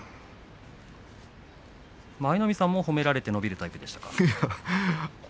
舞の海さんも褒められて伸びるタイプでしたか。